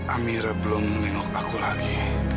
amir belum menengok aku lagi